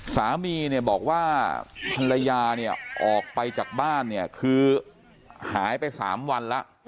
สามีบอกว่าภรรยาออกไปจากบ้านคือหายไป๓วันแล้ว